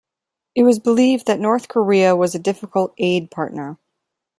It was believed that North Korea was a difficult aid partner.